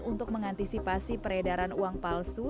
untuk mengantisipasi peredaran uang palsu